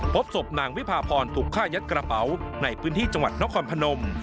พบศพนางวิพาพรถูกฆ่ายัดกระเป๋าในพื้นที่จังหวัดนครพนม